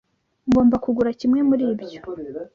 Ngomba kugura kimwe muri ibyo